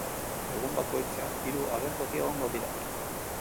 Egun bakoitzean hiru agertoki egongo dira.